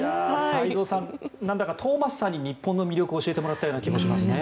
太蔵さん、なんだかトーマスさんに日本の魅力を教えてもらったような気もしますね。